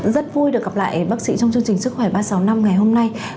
rất vui được gặp lại bác sĩ trong chương trình sức khỏe ba sáu năm ngày hôm nay